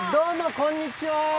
こんにちは。